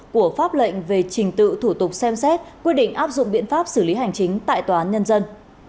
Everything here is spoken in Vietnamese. của pháp lệnh về trình tự thủ tục xem xét quy định áp dụng biện pháp xử lý hành chính tại tòa án nhân dân